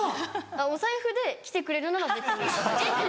お財布で来てくれるなら別。